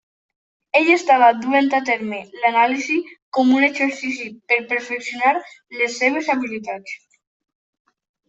Ell estava duent a terme l'anàlisi com un exercici per perfeccionar les seves habilitats.